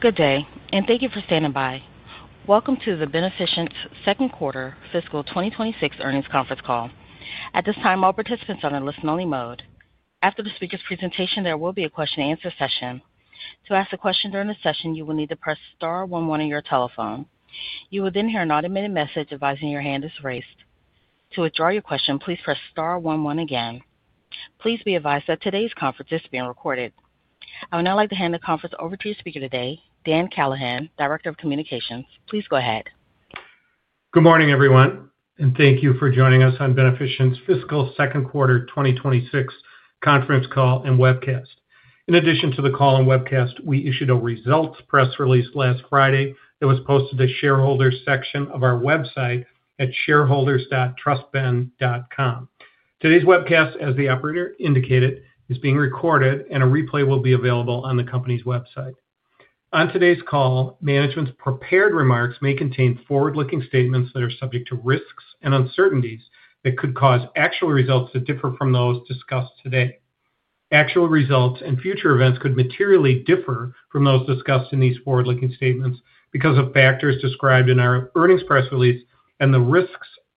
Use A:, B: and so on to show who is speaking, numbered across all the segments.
A: Good day, and thank you for standing by. Welcome to Beneficient's Second Quarter Fiscal 2026 Earnings Conference Call. At this time, all participants are in listen-only mode. After the speaker's presentation, there will be a question-and-answer session. To ask a question during the session, you will need to press star one one on your telephone. You will then hear an automated message advising your hand is raised. To withdraw your question, please press star one one again. Please be advised that today's conference is being recorded. I would now like to hand the conference over to your speaker today, Dan Callahan, Director of Communications. Please go ahead.
B: Good morning, everyone, and thank you for joining us on Beneficient's Fiscal Second Quarter 2026 Conference Call and webcast. In addition to the call and webcast, we issued a results press release last Friday that was posted to the shareholders' section of our website at shareholders.trustben.com. Today's webcast, as the operator indicated, is being recorded, and a replay will be available on the company's website. On today's call, management's prepared remarks may contain forward-looking statements that are subject to risks and uncertainties that could cause actual results to differ from those discussed today. Actual results and future events could materially differ from those discussed in these forward-looking statements because of factors described in our earnings press release and the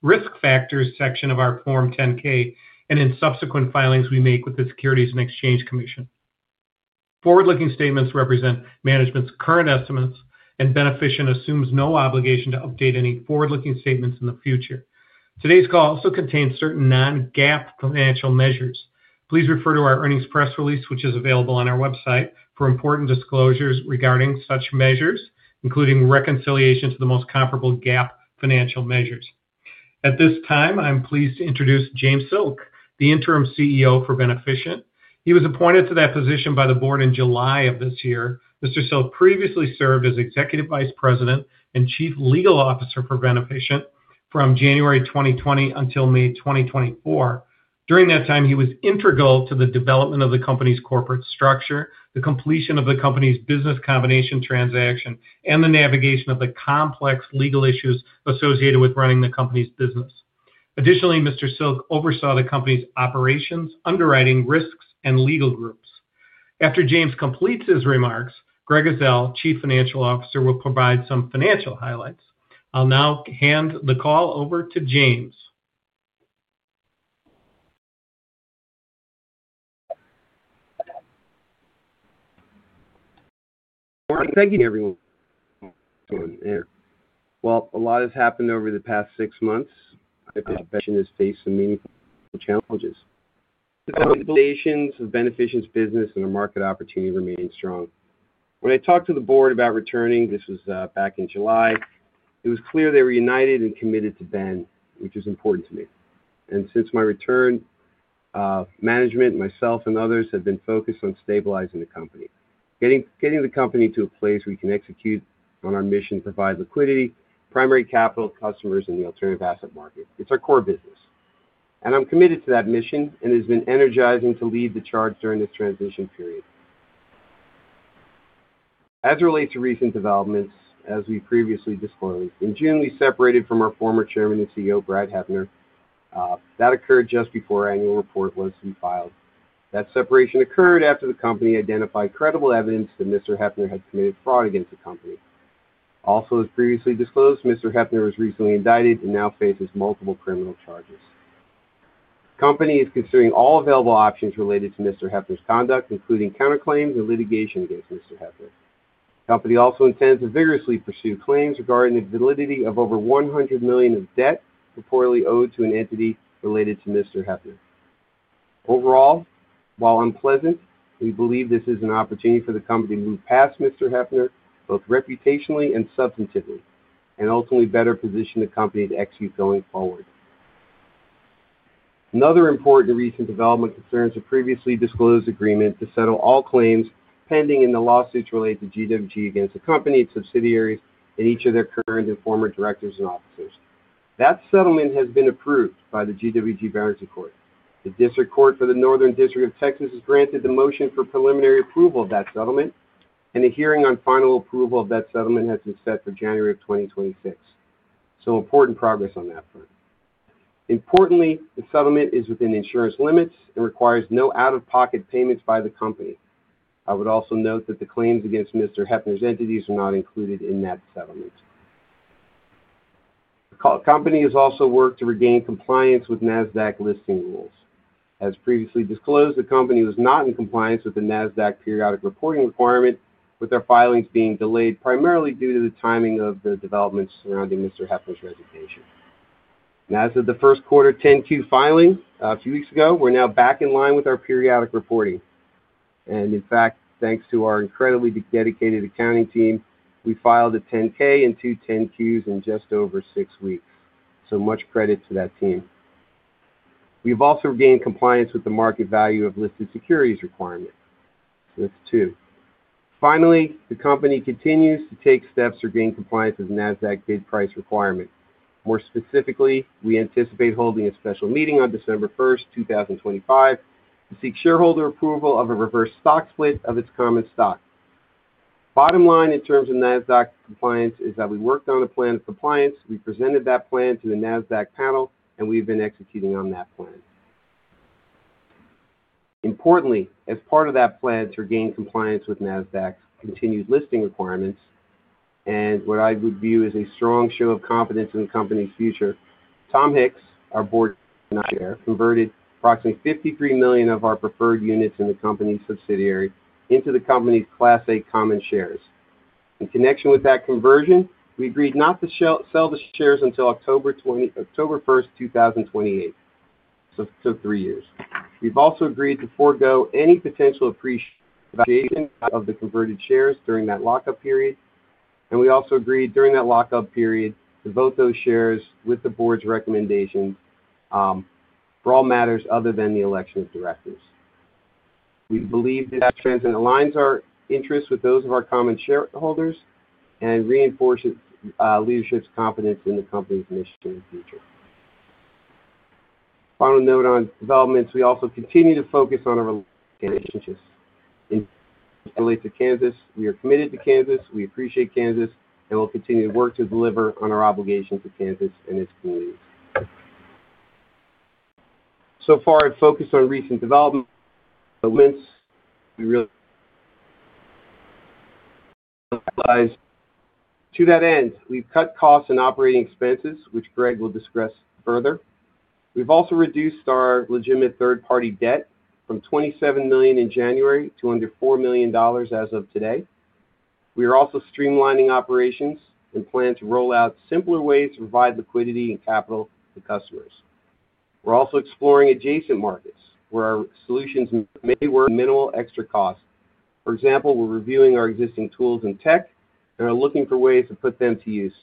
B: risk factors section of our Form 10-K and in subsequent filings we make with the Securities and Exchange Commission. Forward-looking statements represent management's current estimates, and Beneficient assumes no obligation to update any forward-looking statements in the future. Today's call also contains certain non-GAAP financial measures. Please refer to our earnings press release, which is available on our website, for important disclosures regarding such measures, including reconciliation to the most comparable GAAP financial measures. At this time, I'm pleased to introduce James Silk, the Interim CEO for Beneficient. He was appointed to that position by the board in July of this year. Mr. Silk previously served as Executive Vice President and Chief Legal Officer for Beneficient from January 2020 until May 2024. During that time, he was integral to the development of the company's corporate structure, the completion of the company's business combination transaction, and the navigation of the complex legal issues associated with running the company's business. Additionally, Mr. Silk oversaw the company's operations, underwriting risks, and legal groups. After James completes his remarks, Greg Ezell, Chief Financial Officer, will provide some financial highlights. I'll now hand the call over to James.
C: Good morning. Thank you, everyone. A lot has happened over the past six months. I think Beneficient has faced some meaningful challenges. The foundations of Beneficient's business and our market opportunity remain strong. When I talked to the board about returning, this was back in July, it was clear they were united and committed to Ben, which is important to me. Since my return, management, myself, and others have been focused on stabilizing the company, getting the company to a place where we can execute on our mission, provide liquidity, primary capital, customers, and the alternative asset market. It's our core business. I'm committed to that mission, and it has been energizing to lead the charge during this transition period. As it relates to recent developments, as we previously disclosed, in June, we separated from our former chairman and CEO, Brad Heppner. That occurred just before our annual report was filed. That separation occurred after the company identified credible evidence that Mr. Heppner had committed fraud against the company. Also, as previously disclosed, Mr. Heppner was recently indicted and now faces multiple criminal charges. The company is considering all available options related to Mr. Heppner's conduct, including counterclaims and litigation against Mr. Heppner. The company also intends to vigorously pursue claims regarding the validity of over $100 million of debt reportedly owed to an entity related to Mr. Heppner. Overall, while unpleasant, we believe this is an opportunity for the company to move past Mr. Heppner, both reputationally and substantively, and ultimately better position the company to execute going forward. Another important recent development concerns a previously disclosed agreement to settle all claims pending in the lawsuits related to GWG against the company and subsidiaries and each of their current and former directors and officers. That settlement has been approved by the GWG Barrington Court. The District Court for the Northern District of Texas has granted the motion for preliminary approval of that settlement, and a hearing on final approval of that settlement has been set for January of 2026. Important progress on that front. Importantly, the settlement is within insurance limits and requires no out-of-pocket payments by the company. I would also note that the claims against Mr. Heppner's entities are not included in that settlement. The company has also worked to regain compliance with NASDAQ listing rules. As previously disclosed, the company was not in compliance with the NASDAQ periodic reporting requirement, with their filings being delayed primarily due to the timing of the developments surrounding Mr. Heppner's resignation. As of the first quarter 10-Q filing a few weeks ago, we're now back in line with our periodic reporting. In fact, thanks to our incredibly dedicated accounting team, we filed a 10-K and two 10-Qs in just over six weeks. Much credit to that team. We have also gained compliance with the market value of listed securities requirement. That's two. Finally, the company continues to take steps to regain compliance with NASDAQ bid price requirement. More specifically, we anticipate holding a special meeting on December 1, 2025, to seek shareholder approval of a reverse stock split of its common stock. Bottom line, in terms of NASDAQ compliance, is that we worked on a plan of compliance. We presented that plan to the NASDAQ panel, and we've been executing on that plan. Importantly, as part of that plan to regain compliance with NASDAQ's continued listing requirements and what I would view as a strong show of confidence in the company's future, Tom Hicks, our board chair, converted approximately $53 million of our preferred units in the company's subsidiary into the company's Class A common shares. In connection with that conversion, we agreed not to sell the shares until October 1, 2028. It took three years. We've also agreed to forego any potential appreciation of the converted shares during that lockup period. We also agreed during that lockup period to vote those shares with the board's recommendations for all matters other than the election of directors. We believe that transition aligns our interests with those of our common shareholders and reinforces leadership's confidence in the company's mission and future. Final note on developments, we also continue to focus on our relationships related to Kansas. We are committed to Kansas. We appreciate Kansas, and we'll continue to work to deliver on our obligations to Kansas and its communities. So far, I've focused on recent developments. We realize to that end, we've cut costs and operating expenses, which Greg will discuss further. We've also reduced our legitimate third-party debt from $27 million in January to under $4 million as of today. We are also streamlining operations and plan to roll out simpler ways to provide liquidity and capital to customers. We're also exploring adjacent markets where our solutions may work at minimal extra cost. For example, we're reviewing our existing tools and tech and are looking for ways to put them to use.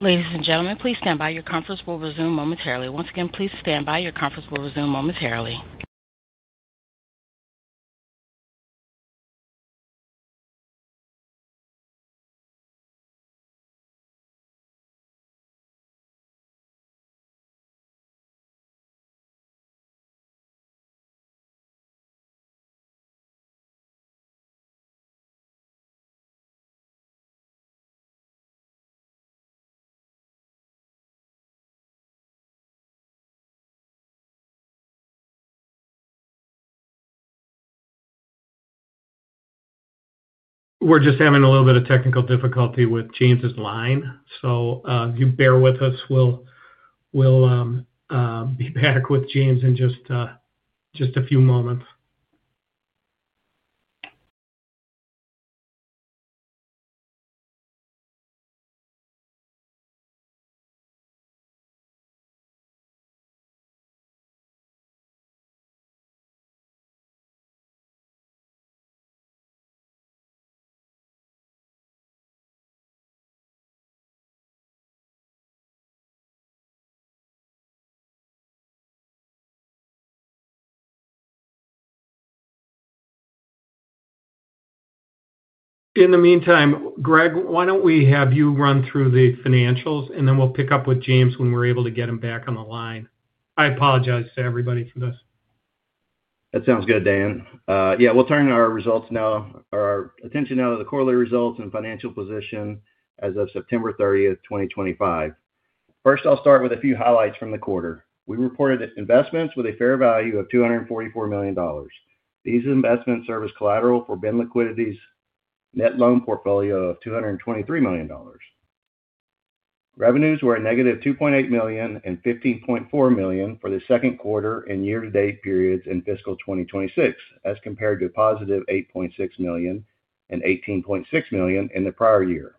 A: Ladies and gentlemen, please stand by. Your conference will resume momentarily. Once again, please stand by. Your conference will resume momentarily.
B: We're just having a little bit of technical difficulty with James's line. If you bear with us, we'll be back with James in just a few moments. In the meantime, Greg, why don't we have you run through the financials, and then we'll pick up with James when we're able to get him back on the line? I apologize to everybody for this.
D: That sounds good, Dan. Yeah, we'll turn our attention now to the quarterly results and financial position as of September 30, 2025. First, I'll start with a few highlights from the quarter. We reported investments with a fair value of $244 million. These investments serve as collateral for Ben Liquidity's net loan portfolio of $223 million. Revenues were a negative $2.8 million and $15.4 million for the second quarter and year-to-date periods in fiscal 2026, as compared to a positive $8.6 million and $18.6 million in the prior year.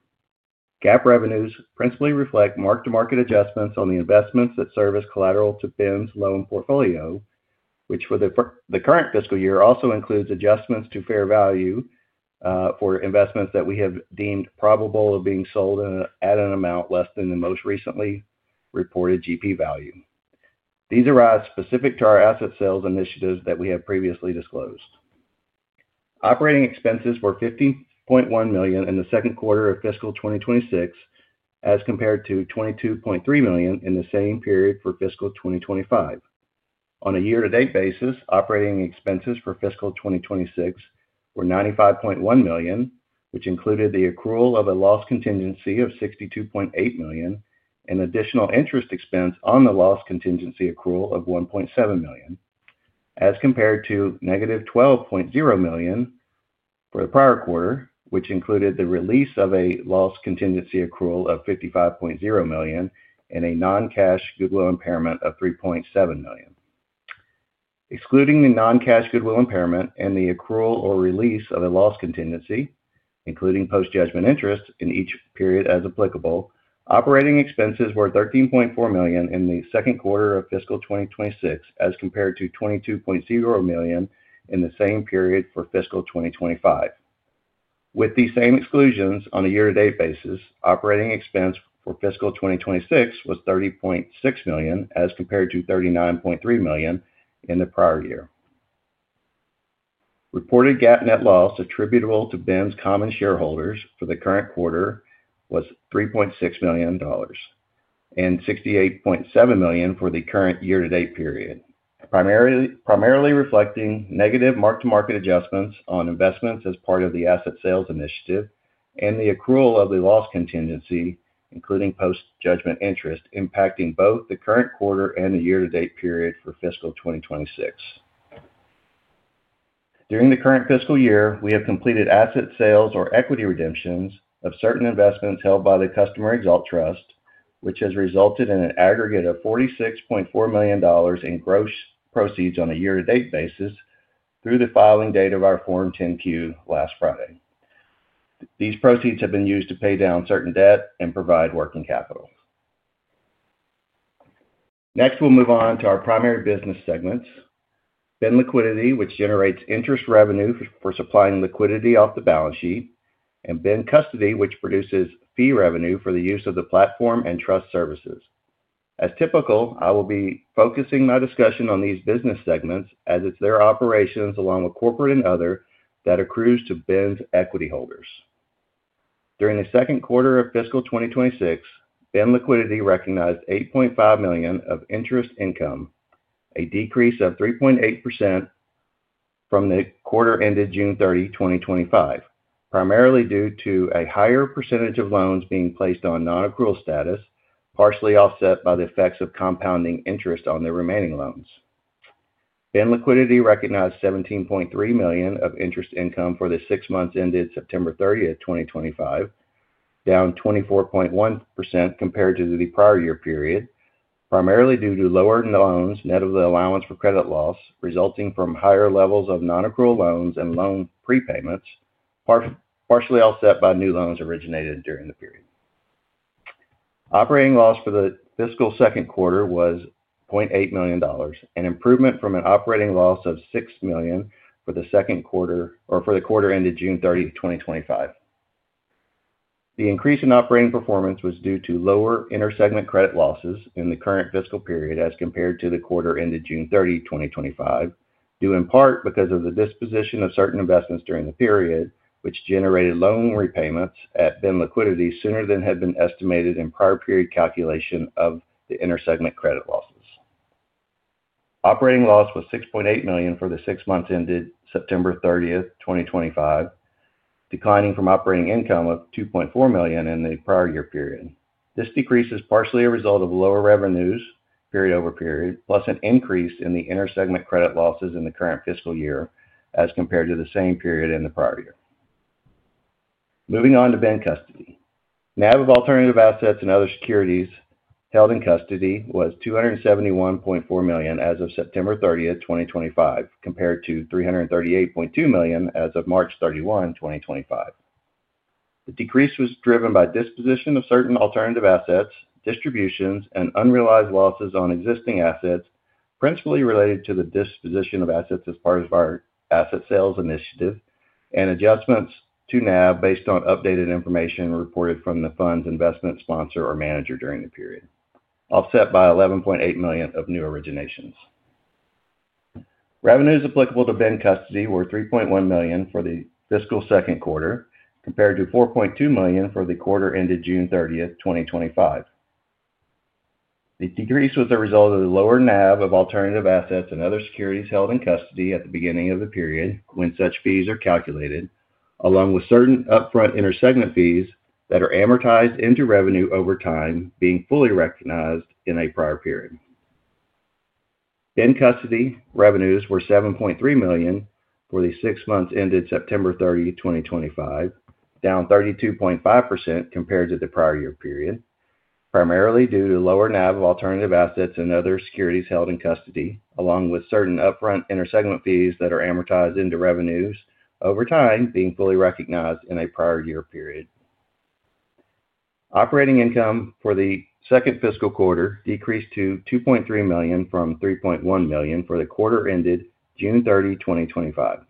D: GAAP revenues principally reflect mark-to-market adjustments on the investments that serve as collateral to Ben's loan portfolio, which for the current fiscal year also includes adjustments to fair value for investments that we have deemed probable of being sold at an amount less than the most recently reported GP value. These arise specific to our asset sales initiatives that we have previously disclosed. Operating expenses were $15.1 million in the second quarter of fiscal 2026, as compared to $22.3 million in the same period for fiscal 2025. On a year-to-date basis, operating expenses for fiscal 2026 were $95.1 million, which included the accrual of a loss contingency of $62.8 million and additional interest expense on the loss contingency accrual of $1.7 million, as compared to negative $12.0 million for the prior quarter, which included the release of a loss contingency accrual of $55.0 million and a non-cash goodwill impairment of $3.7 million. Excluding the non-cash goodwill impairment and the accrual or release of a loss contingency, including post-judgment interest in each period as applicable, operating expenses were $13.4 million in the second quarter of fiscal 2026, as compared to $22.0 million in the same period for fiscal 2025.
C: With these same exclusions on a year-to-date basis, operating expense for fiscal 2026 was $30.6 million, as compared to $39.3 million in the prior year. Reported GAAP net loss attributable to Ben's common shareholders for the current quarter was $3.6 million and $68.7 million for the current year-to-date period, primarily reflecting negative mark-to-market adjustments on investments as part of the asset sales initiative and the accrual of the loss contingency, including post-judgment interest, impacting both the current quarter and the year-to-date period for fiscal 2026. During the current fiscal year, we have completed asset sales or equity redemptions of certain investments held by the Customer ExAlt Trust, which has resulted in an aggregate of $46.4 million in gross proceeds on a year-to-date basis through the filing date of our Form 10-Q last Friday. These proceeds have been used to pay down certain debt and provide working capital. Next, we'll move on to our primary business segments: Ben Liquidity, which generates interest revenue for supplying liquidity off the balance sheet, and Ben Custody, which produces fee revenue for the use of the platform and trust services. As typical, I will be focusing my discussion on these business segments, as it's their operations along with corporate and other that accrues to Ben's equity holders. During the second quarter of fiscal 2026, Ben Liquidity recognized $8.5 million of interest income, a decrease of 3.8% from the quarter ended June 30, 2025, primarily due to a higher percentage of loans being placed on non-accrual status, partially offset by the effects of compounding interest on the remaining loans. Ben Liquidity recognized $17.3 million of interest income for the six months ended September 30, 2025, down 24.1% compared to the prior year period, primarily due to lower loans net of the allowance for credit loss resulting from higher levels of non-accrual loans and loan prepayments, partially offset by new loans originated during the period. Operating loss for the fiscal second quarter was $0.8 million, an improvement from an operating loss of $6 million for the second quarter or for the quarter ended June 30, 2025. The increase in operating performance was due to lower intersegment credit losses in the current fiscal period as compared to the quarter ended June 30, 2025, due in part because of the disposition of certain investments during the period, which generated loan repayments at Ben Liquidity sooner than had been estimated in prior period calculation of the intersegment credit losses. Operating loss was $6.8 million for the six months ended September 30, 2025, declining from operating income of $2.4 million in the prior year period. This decrease is partially a result of lower revenues period over period, plus an increase in the intersegment credit losses in the current fiscal year as compared to the same period in the prior year. Moving on to Ben Custody. NAB of alternative assets and other securities held in custody was $271.4 million as of September 30, 2025, compared to $338.2 million as of March 31, 2025. The decrease was driven by disposition of certain alternative assets, distributions, and unrealized losses on existing assets, principally related to the disposition of assets as part of our asset sales initiative and adjustments to NAB based on updated information reported from the fund's investment sponsor or manager during the period, offset by $11.8 million of new originations. Revenues applicable to Ben Custody were $3.1 million for the fiscal second quarter, compared to $4.2 million for the quarter ended June 30, 2025. The decrease was a result of the lower NAB of alternative assets and other securities held in custody at the beginning of the period when such fees are calculated, along with certain upfront intersegment fees that are amortized into revenue over time being fully recognized in a prior period. Ben Custody revenues were $7.3 million for the six months ended September 30, 2025, down 32.5% compared to the prior year period, primarily due to lower NAB of alternative assets and other securities held in custody, along with certain upfront intersegment fees that are amortized into revenues over time being fully recognized in a prior year period. Operating income for the second fiscal quarter decreased to $2.3 million from $3.1 million for the quarter ended June 30, 2025.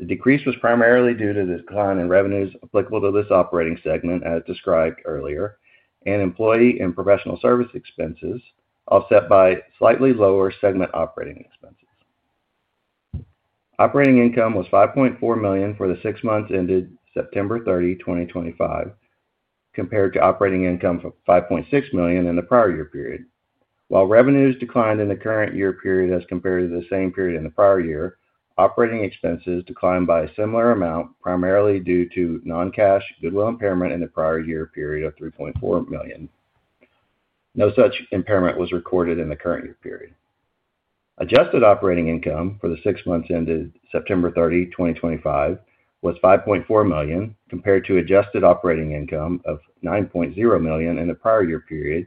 C: The decrease was primarily due to the decline in revenues applicable to this operating segment, as described earlier, and employee and professional service expenses offset by slightly lower segment operating expenses. Operating income was $5.4 million for the six months ended September 30, 2025, compared to operating income of $5.6 million in the prior year period. While revenues declined in the current year period as compared to the same period in the prior year, operating expenses declined by a similar amount, primarily due to non-cash goodwill impairment in the prior year period of $3.4 million. No such impairment was recorded in the current year period. Adjusted operating income for the six months ended September 30, 2025, was $5.4 million compared to adjusted operating income of $9.0 million in the prior year period,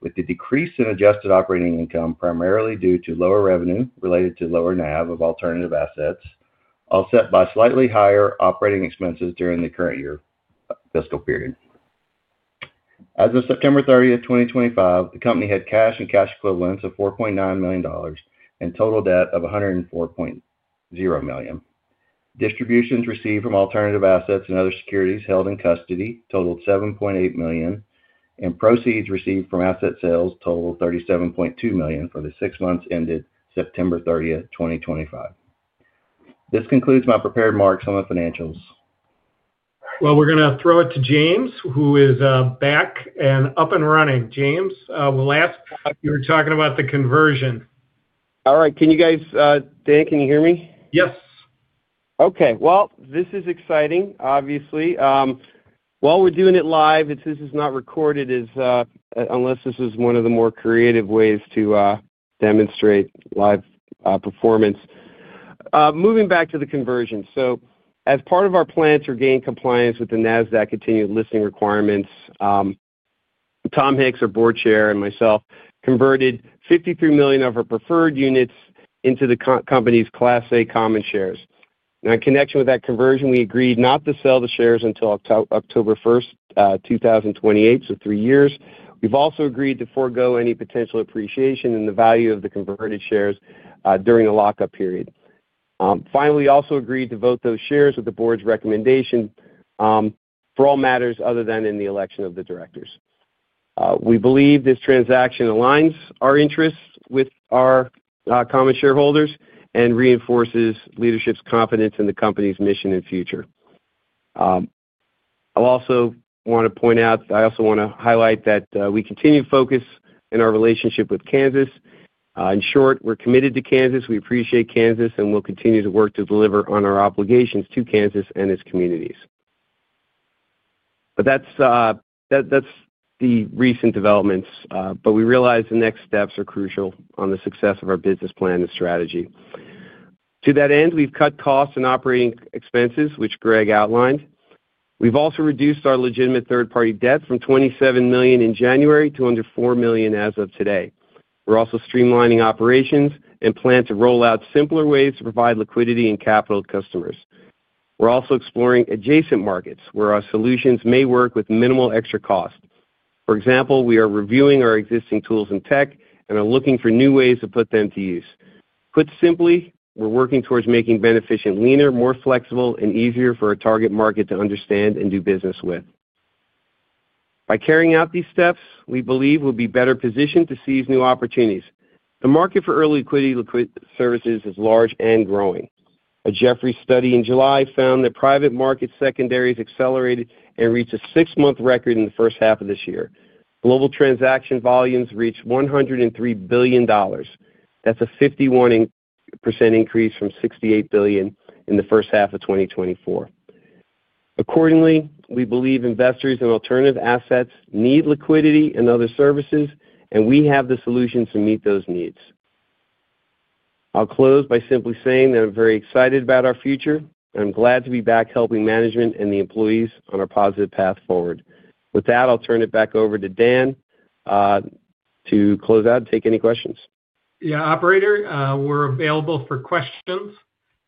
C: with the decrease in adjusted operating income primarily due to lower revenue related to lower NAB of alternative assets, offset by slightly higher operating expenses during the current year fiscal period. As of September 30, 2025, the company had cash and cash equivalents of $4.9 million and total debt of $104.0 million. Distributions received from alternative assets and other securities held in custody totaled $7.8 million, and proceeds received from asset sales totaled $37.2 million for the six months ended September 30, 2025. This concludes my prepared marks on the financials.
B: We're going to throw it to James, who is back and up and running. James, we'll ask you were talking about the conversion.
C: All right. Can you guys, Dan, can you hear me?
B: Yes.
C: Okay. This is exciting, obviously. While we're doing it live, this is not recorded unless this is one of the more creative ways to demonstrate live performance. Moving back to the conversion. As part of our plans to regain compliance with the NASDAQ continued listing requirements, Tom Hicks, our board chair, and myself converted $53 million of our preferred units into the company's Class A common shares. In connection with that conversion, we agreed not to sell the shares until October 1, 2028, so three years. We've also agreed to forego any potential appreciation in the value of the converted shares during the lockup period. Finally, we also agreed to vote those shares with the board's recommendation for all matters other than in the election of the directors. We believe this transaction aligns our interests with our common shareholders and reinforces leadership's confidence in the company's mission and future. I also want to point out, I also want to highlight that we continue to focus in our relationship with Kansas. In short, we're committed to Kansas. We appreciate Kansas, and we'll continue to work to deliver on our obligations to Kansas and its communities. That's the recent developments. We realize the next steps are crucial on the success of our business plan and strategy. To that end, we've cut costs and operating expenses, which Greg outlined. We've also reduced our legitimate third-party debt from $27 million in January to under $4 million as of today. We're also streamlining operations and plan to roll out simpler ways to provide liquidity and capital to customers. We're also exploring adjacent markets where our solutions may work with minimal extra cost. For example, we are reviewing our existing tools and tech and are looking for new ways to put them to use. Put simply, we're working towards making Beneficient leaner, more flexible, and easier for our target market to understand and do business with. By carrying out these steps, we believe we'll be better positioned to seize new opportunities. The market for early liquidity services is large and growing. A Jefferies study in July found that private market secondaries accelerated and reached a six-month record in the first half of this year. Global transaction volumes reached $103 billion. That's a 51% increase from $68 billion in the first half of 2024. Accordingly, we believe investors in alternative assets need liquidity and other services, and we have the solutions to meet those needs. I'll close by simply saying that I'm very excited about our future, and I'm glad to be back helping management and the employees on a positive path forward. With that, I'll turn it back over to Dan to close out and take any questions.
B: Yeah. Operator, we're available for questions.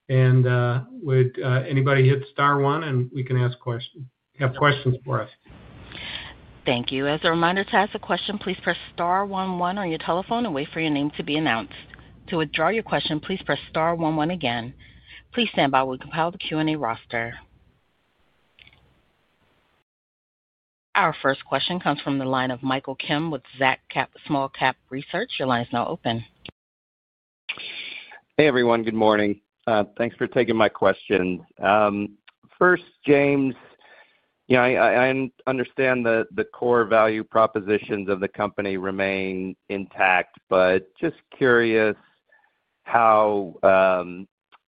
B: Would anybody hit Star one, and we can ask questions for us?
A: Thank you. As a reminder, to ask a question, please press Star one one on your telephone and wait for your name to be announced. To withdraw your question, please press Star one one again. Please stand by while we compile the Q&A roster. Our first question comes from the line of Michael Kim with Zacks Small Cap Research. Your line is now open.
E: Hey, everyone. Good morning. Thanks for taking my question. First, James, I understand the core value propositions of the company remain intact, but just curious how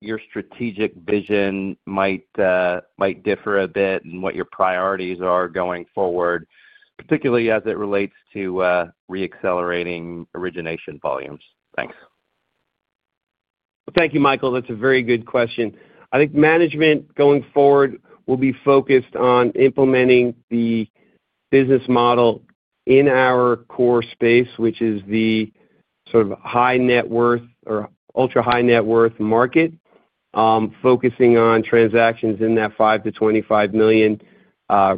E: your strategic vision might differ a bit and what your priorities are going forward, particularly as it relates to re-accelerating origination volumes? Thanks.
C: Thank you, Michael. That's a very good question. I think management going forward will be focused on implementing the business model in our core space, which is the sort of high net worth or ultra-high net worth market, focusing on transactions in that $5 million-$25 million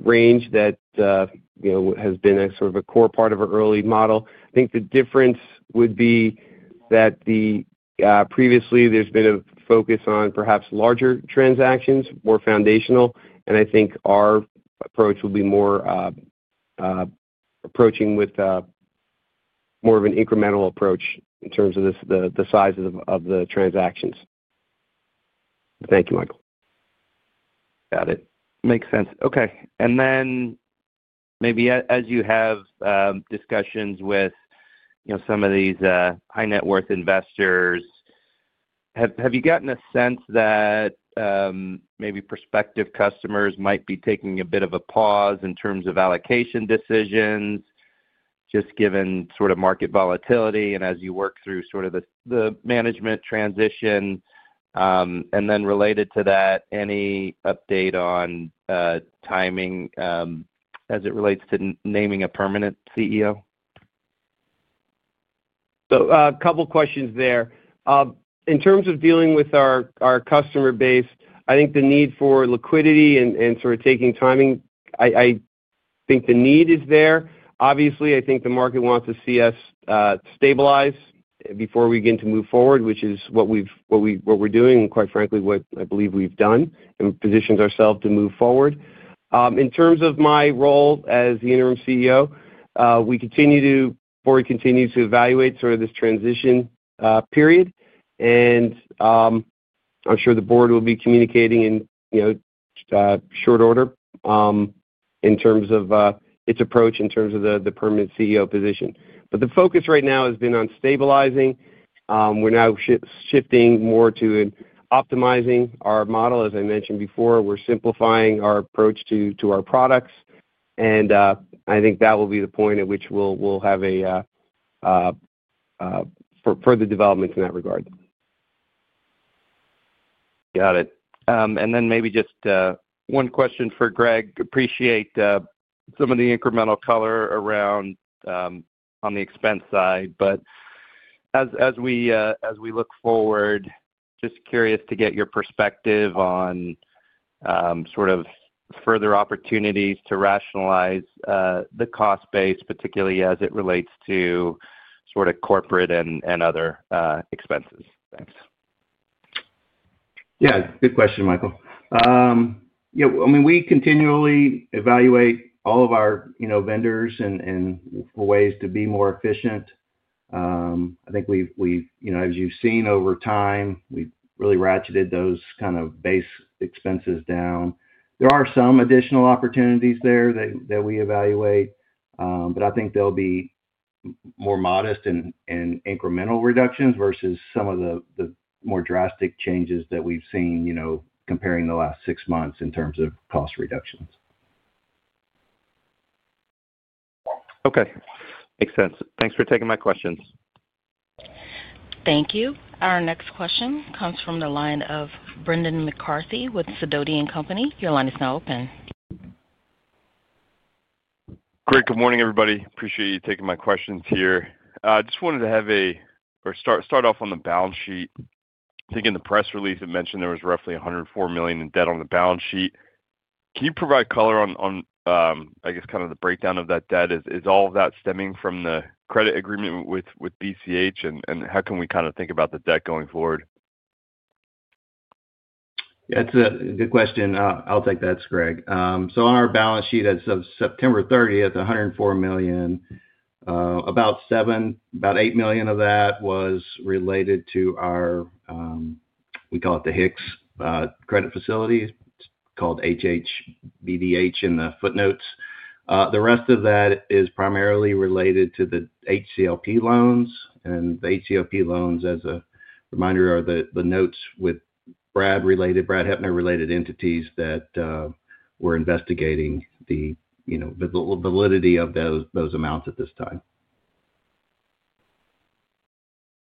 C: range that has been a sort of a core part of our early model. I think the difference would be that previously there's been a focus on perhaps larger transactions, more foundational, and I think our approach will be more approaching with more of an incremental approach in terms of the size of the transactions.
B: Thank you, Michael.
E: Got it. Makes sense. Okay. Maybe as you have discussions with some of these high-net-worth investors, have you gotten a sense that maybe prospective customers might be taking a bit of a pause in terms of allocation decisions, just given sort of market volatility and as you work through sort of the management transition? Related to that, any update on timing as it relates to naming a permanent CEO? A couple of questions there. In terms of dealing with our customer base, I think the need for liquidity and sort of taking timing, I think the need is there. Obviously, I think the market wants to see us stabilize before we begin to move forward, which is what we're doing and, quite frankly, what I believe we've done and positioned ourselves to move forward.
C: In terms of my role as the interim CEO, we continue to, the board continues to evaluate sort of this transition period. I'm sure the board will be communicating in short order in terms of its approach in terms of the permanent CEO position. The focus right now has been on stabilizing. We're now shifting more to optimizing our model. As I mentioned before, we're simplifying our approach to our products. I think that will be the point at which we'll have further developments in that regard.
E: Got it. Maybe just one question for Greg. Appreciate some of the incremental color around on the expense side. As we look forward, just curious to get your perspective on sort of further opportunities to rationalize the cost base, particularly as it relates to sort of corporate and other expenses. Thanks.
D: Yeah. Good question, Michael. Yeah. I mean, we continually evaluate all of our vendors and ways to be more efficient. I think as you've seen over time, we've really ratcheted those kind of base expenses down. There are some additional opportunities there that we evaluate, but I think there'll be more modest and incremental reductions versus some of the more drastic changes that we've seen comparing the last six months in terms of cost reductions.
E: Okay. Makes sense. Thanks for taking my questions.
A: Thank you. Our next question comes from the line of Brendan McCarthy with Sidoti & Company. Your line is now open.
F: Greg, good morning, everybody. Appreciate you taking my questions here. I just wanted to have a start off on the balance sheet. I think in the press release, it mentioned there was roughly $104 million in debt on the balance sheet. Can you provide color on, I guess, kind of the breakdown of that debt? Is all of that stemming from the credit agreement with BCH, and how can we kind of think about the debt going forward?
D: Yeah. It's a good question. I'll take that, Greg. On our balance sheet as of September 30, $104 million, about $8 million of that was related to our—we call it the Hicks credit facility. It's called HHBDH in the footnotes. The rest of that is primarily related to the HCLP loans. The HCLP loans, as a reminder, are the notes with Brad Heppner-related entities that we're investigating the validity of those amounts at this time.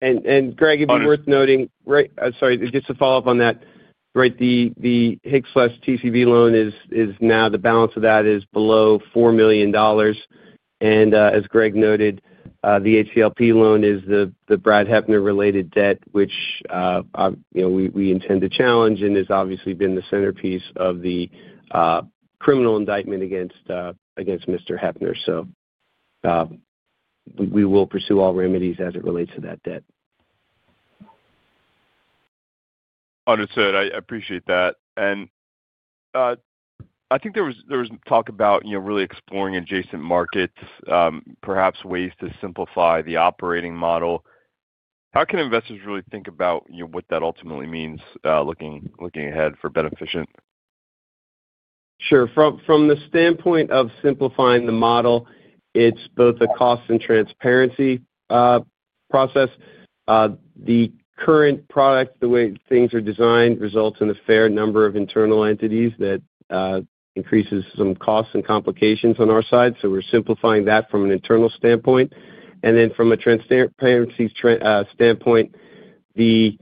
C: Greg, it'd be worth noting, sorry, just to follow up on that, right? The HIC/TCV loan is now, the balance of that is below $4 million. As Greg noted, the HCLP loan is the Brad Heppner-related debt, which we intend to challenge and has obviously been the centerpiece of the criminal indictment against Mr. Heppner. We will pursue all remedies as it relates to that debt.
F: Understood. I appreciate that. I think there was talk about really exploring adjacent markets, perhaps ways to simplify the operating model. How can investors really think about what that ultimately means looking ahead for Beneficient?
C: Sure. From the standpoint of simplifying the model, it's both a cost and transparency process. The current product, the way things are designed, results in a fair number of internal entities that increases some costs and complications on our side. We're simplifying that from an internal standpoint. From a transparency standpoint, the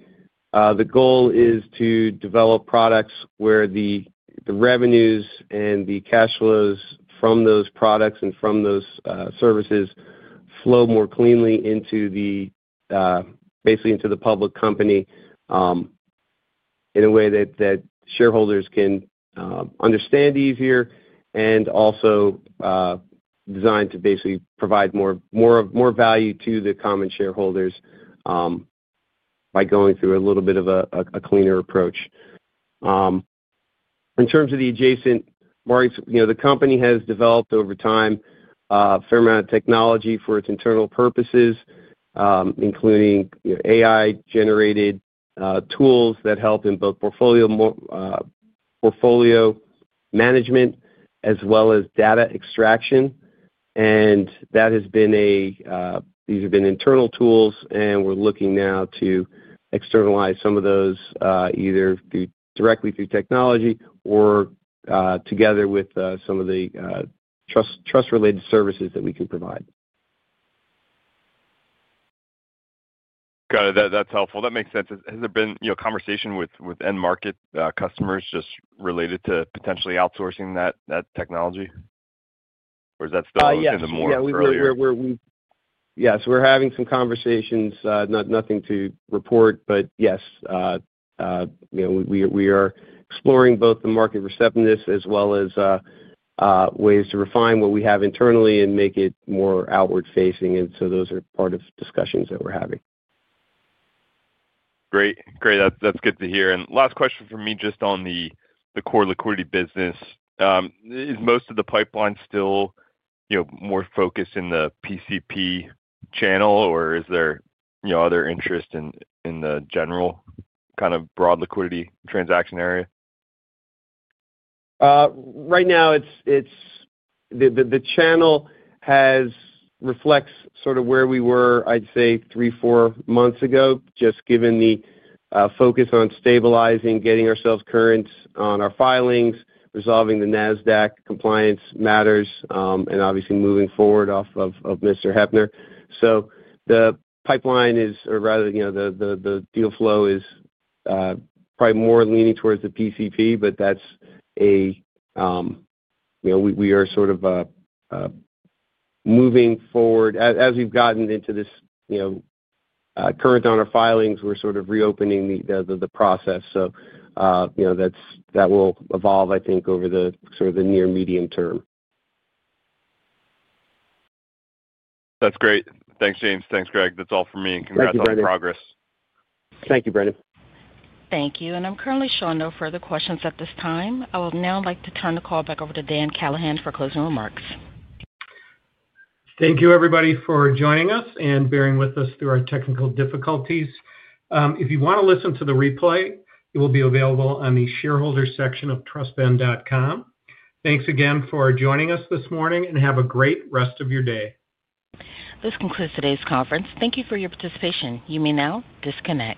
C: goal is to develop products where the revenues and the cash flows from those products and from those services flow more cleanly into the public company in a way that shareholders can understand easier and also designed to basically provide more value to the common shareholders by going through a little bit of a cleaner approach. In terms of the adjacent markets, the company has developed over time a fair amount of technology for its internal purposes, including AI-generated tools that help in both portfolio management as well as data extraction. That has been a—these have been internal tools, and we're looking now to externalize some of those either directly through technology or together with some of the trust-related services that we can provide.
F: Got it. That's helpful. That makes sense. Has there been a conversation with end market customers just related to potentially outsourcing that technology? Or is that still within the more external?
C: Yeah. Yeah. We're having some conversations, nothing to report, but yes, we are exploring both the market receptiveness as well as ways to refine what we have internally and make it more outward-facing. Those are part of discussions that we're having.
F: Great. Great. That's good to hear. Last question from me just on the core liquidity business. Is most of the pipeline still more focused in the PCP channel, or is there other interest in the general kind of broad liquidity transaction area? Right now, the channel reflects sort of where we were, I'd say, three, four months ago, just given the focus on stabilizing, getting ourselves current on our filings, resolving the NASDAQ compliance matters, and obviously moving forward off of Mr. Heppner. The pipeline is, or rather the deal flow is probably more leaning towards the PCP, but that's a—we are sort of moving forward. As we've gotten into this current on our filings, we're sort of reopening the process. That will evolve, I think, over the sort of the near-medium term. That's great. Thanks, James. Thanks, Greg. That's all from me. Congrats on the progress.
C: Thank you, Brendan.
A: Thank you. I'm currently showing no further questions at this time. I would now like to turn the call back over to Dan Callahan for closing remarks.
B: Thank you, everybody, for joining us and bearing with us through our technical difficulties. If you want to listen to the replay, it will be available on the shareholder section of trustben.com. Thanks again for joining us this morning, and have a great rest of your day.
A: This concludes today's conference. Thank you for your participation. You may now disconnect.